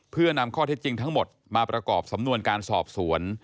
เพื่อนำข้อเท็จจริงทั้งหมดมาประกอบสำนวนการสอบสวน